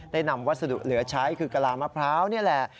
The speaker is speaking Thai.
นำวัสดุเหลือใช้คือกะลามะพร้าวนี่แหละ